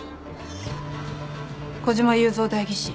児島祐三代議士。